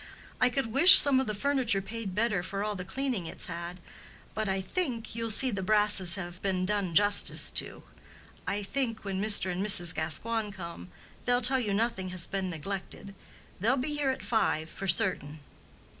I could wish some of the furniture paid better for all the cleaning it's had, but I think you'll see the brasses have been done justice to. I think when Mr. and Mrs. Gascoigne come, they'll tell you nothing has been neglected. They'll be here at five, for certain."